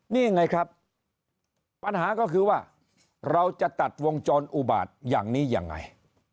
นี่ไงครับปัญหาก็คือว่าเราจะตัดวงจรอุบาตอย่างนี้ยังไง